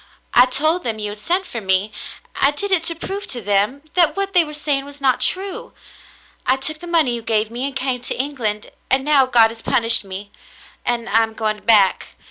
I told them you had sent for me. I did it to prove to them that what they were saying was not true. I took the money you gave me and came to England, and now God has punished David and his Mother 291 me, and I am going back.